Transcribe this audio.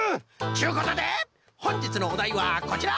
ちゅうことでほんじつのおだいはこちら！